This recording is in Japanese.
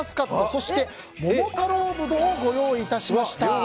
そして桃太郎ぶどうをご用意いたしました。